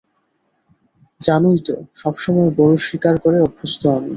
জানোই তো সবসময় বড়ো শিকার করে অভ্যস্থ আমি।